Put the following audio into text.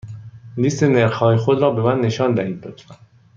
لیست نرخ های خود را به من نشان دهید، لطفا.